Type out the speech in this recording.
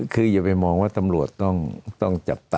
คืออย่าไปมองว่าตำรวจต้องจับตา